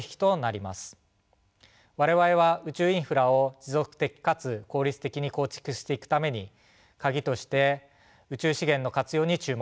我々は宇宙インフラを持続的かつ効率的に構築していくために鍵として宇宙資源の活用に注目しています。